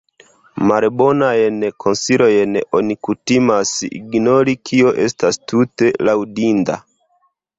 Malbonajn konsilojn oni kutimas ignori, kio estas tute laŭdinda.